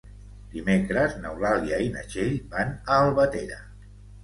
Dimecres n'Eulàlia i na Txell van a Albatera.